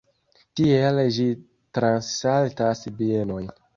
Tiel ĝi transsaltas bienojn.